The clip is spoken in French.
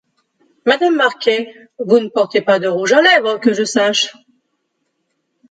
Madame Marquet, vous ne portez pas de rouge à lèvres, que je sache.